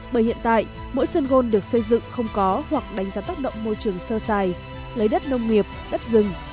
bởi hiện tại mỗi sân gôn được xây dựng không có hoặc đánh giá tác động môi trường sơ xài lấy đất nông nghiệp đất rừng